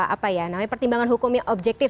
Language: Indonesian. apa ya namanya pertimbangan hukum yang objektif